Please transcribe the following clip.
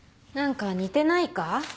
何か似てないか？